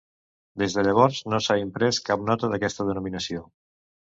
Des de llavors no s'ha imprès cap nota d'aquesta denominació.